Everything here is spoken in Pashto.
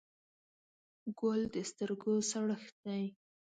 ګل د سترګو سړښت دی.